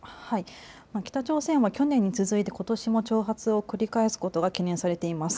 北朝鮮は去年に続いてことしも挑発を繰り返すことが懸念されています。